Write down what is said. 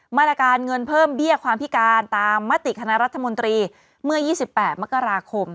มาตรการเงินเพิ่มเบี้ยความพิการตามมติคณะรัฐมนตรีเมื่อ๒๘มกราคม